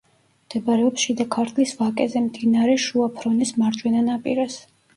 მდებარეობს შიდა ქართლის ვაკეზე, მდინარე შუა ფრონეს მარჯვენა ნაპირას.